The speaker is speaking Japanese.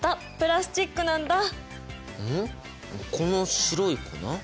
この白い粉？